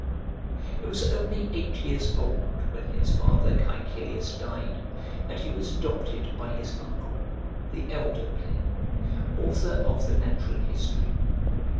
He was only eight years old when his father Caecilius died, and he was adopted by his uncle, the elder Pliny, author of the Natural History.